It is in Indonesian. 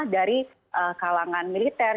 dari kalangan militer